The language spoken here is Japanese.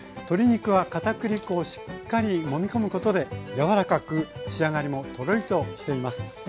鶏肉はかたくり粉をしっかりもみ込むことで柔らかく仕上がりもとろりとしています。